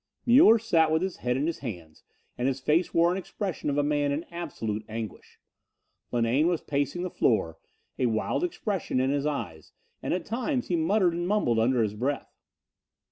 Muller sat with his head in his hands, and his face wore an expression of a man in absolute anguish. Linane was pacing the floor, a wild expression in his eyes, and at times he muttered and mumbled under his breath.